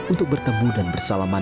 untuk bertemu dan bersalaman